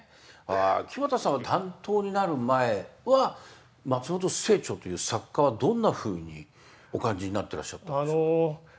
木俣さんは担当になる前は松本清張っていう作家はどんなふうにお感じになってらっしゃったんでしょう？